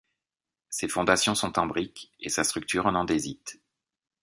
Ses fondations sont en brique et sa structure en andésite.